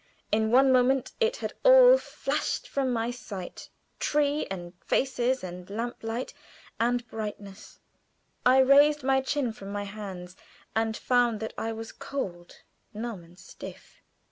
In one moment it had all flashed from my sight tree and faces and lamp light and brightness. I raised my chin from my hands, and found that I was cold, numb, and stiff.